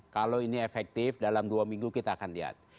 kalau ini efektif dalam dua minggu kita akan lihat